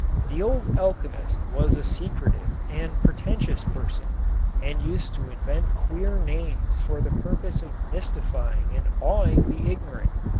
The old alchemist was a secretive and pretentious person and used to invent queer names for the purpose of mystifying and awing the ignorant.